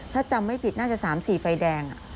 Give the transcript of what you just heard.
ถ้าจำไม่ผิดน่าจะ๓๔ไฟแดง